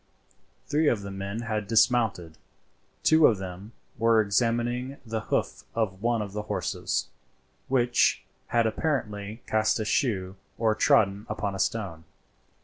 Three of the men had dismounted; two of them were examining the hoof of one of the horses, which had apparently cast a shoe or trodden upon a stone.